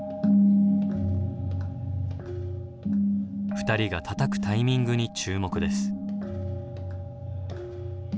２人がたたくタイミングに注目です。